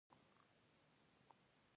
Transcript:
د افغانیت اوسني حالت تللو ته اړتیا لري.